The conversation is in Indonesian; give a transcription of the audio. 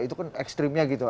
itu kan ekstrimnya gitu